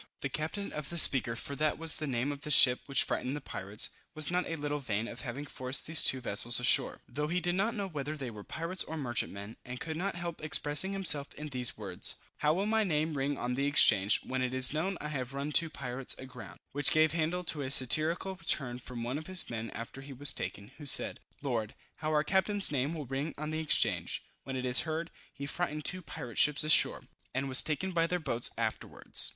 The captain of the Speaker, for that was the name of the ship which frightened the pirates, was not a little vain of having forced these two vessels ashore, though he did not know whether they were pirates or merchantmen, and could not help expressing himself in these words: "How will my name ring on the exchange, when it is known I have run two pirates aground;" which gave handle to a satirical return from one of his men after he was taken, who said, "Lord! how our captain's name will ring on the exchange, when it is heard, he frightened two pirate ships ashore, and was taken by their two boats afterwards."